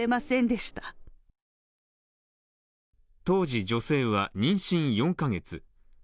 当時女性は妊娠４カ月。